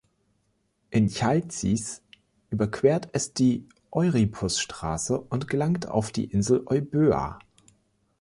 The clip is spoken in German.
In Chalcis überquert es die Euripus-Straße und gelangt auf die Insel Euböa.